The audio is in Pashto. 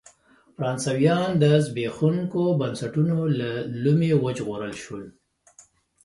فرانسویان د زبېښونکو بنسټونو له لومې وژغورل شول.